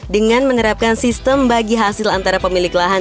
dengan menerapkan sistem bagi hasil antara pembelajaran